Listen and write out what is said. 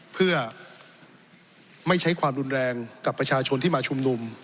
เพื่อไม่ใช้ความรุนแรงกับประชาชนที่มาชุมนุม